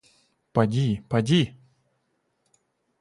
Поди, поди!